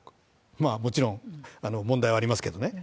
もちろん問題はありますけどね。